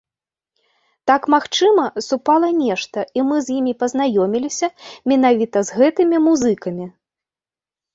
Так, магчыма, супала нешта, і мы з імі пазнаёміліся, менавіта з гэтымі музыкамі.